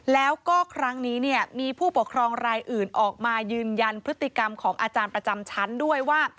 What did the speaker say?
แล้วก็ครั้งนี้เนี่ยมีผู้ปกครองรายอื่นออกมายืนยันพฤติกรรมของอาจารย์ประจำชั้นด้วยว่า